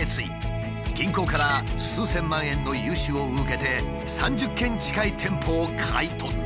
銀行から数千万円の融資を受けて３０軒近い店舗を買い取った。